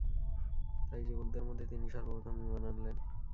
তাই যুবকদের মধ্যে তিনিই সর্ব প্রথম ঈমান আনলেন।